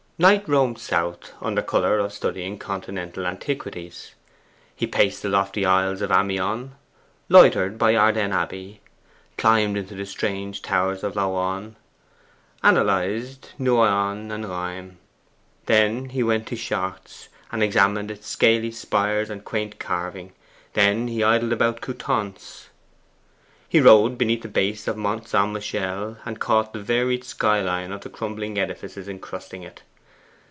Knight roamed south, under colour of studying Continental antiquities. He paced the lofty aisles of Amiens, loitered by Ardennes Abbey, climbed into the strange towers of Laon, analyzed Noyon and Rheims. Then he went to Chartres, and examined its scaly spires and quaint carving then he idled about Coutances. He rowed beneath the base of Mont St. Michel, and caught the varied skyline of the crumbling edifices encrusting it.